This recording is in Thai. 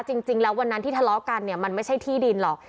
จริงแล้ววันนั้นที่ทะเลาะกันเนี่ยมันไม่ใช่ที่ดินหรอก